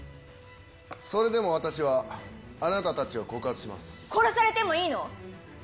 それでも私はあなたたちを告殺されてもいいの？